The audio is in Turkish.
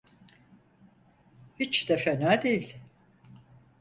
Hiç de fena değil.